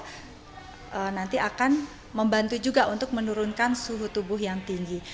karena nanti akan membantu juga untuk menurunkan suhu tubuh yang tinggi